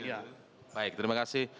iya baik terima kasih